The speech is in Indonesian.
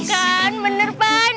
kan bener ban